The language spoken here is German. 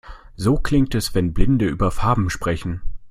So klingt es, wenn Blinde über Farben sprechen.